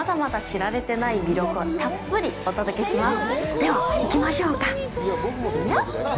では、行きましょうか！